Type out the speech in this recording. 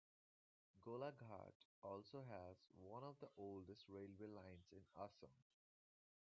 Golaghat also has one of the oldest railway lines in Assam.